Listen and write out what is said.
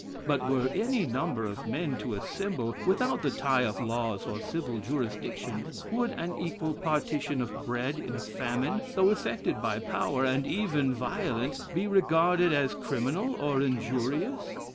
But were any number of men to assemble, without the tie of laws or civil jurisdiction; would an equal partition of bread in a famine, though effected by power and even violence, be regarded as criminal or injurious?